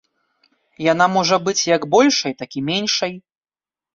Яна можа быць як большай, так і меншай.